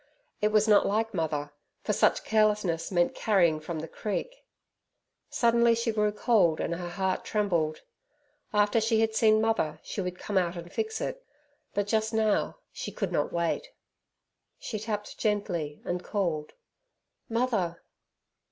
It was not like mother, for such carelessness meant carrying from the creek. Suddenly she grew cold and her heart trembled. After she had seen mother, she would come out and fix it, but just now she could not wait. She tapped gently, and called, "Mother!"